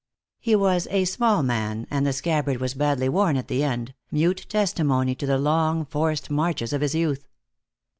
He was a small man, and the scabbard was badly worn at the end, mute testimony to the long forced marches of his youth.